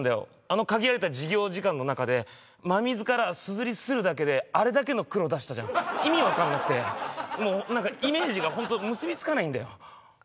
あの限られた授業時間の中で真水からすずりするだけであれだけの黒出したじゃん意味分かんなくてもう何かイメージがホント結びつかないんだよ